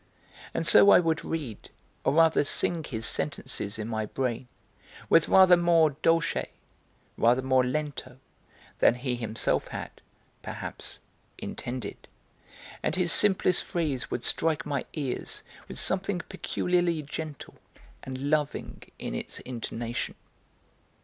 And so I would read, or rather sing his sentences in my brain, with rather more dolce, rather more lento than he himself had, perhaps, intended, and his simplest phrase would strike my ears with something peculiarly gentle and loving in its intonation.